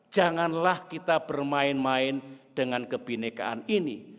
janganlah kita bermain main dengan kebinekaan ini